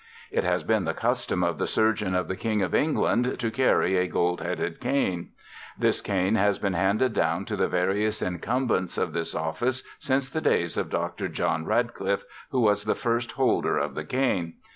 It has been the custom of the Surgeon of the King of England to carry a "Gold Headed Cane." This cane has been handed down to the various incumbents of this office since the days of Dr. John Radcliffe, who was the first holder of the cane.